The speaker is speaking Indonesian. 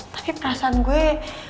tapi perasaan gue